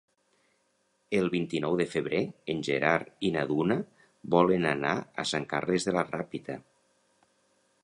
El vint-i-nou de febrer en Gerard i na Duna volen anar a Sant Carles de la Ràpita.